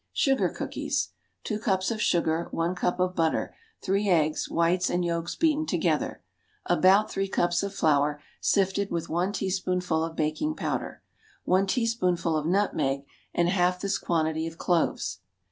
Sugar Cookies. Two cups of sugar. One cup of butter. Three eggs, whites and yolks beaten together. About three cups of flour sifted with one teaspoonful of baking powder. One teaspoonful of nutmeg, and half this quantity of cloves.